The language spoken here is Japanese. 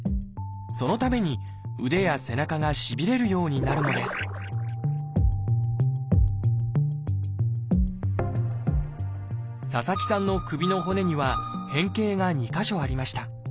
そのために腕や背中がしびれるようになるのです佐々木さんの首の骨には変形が２か所ありました。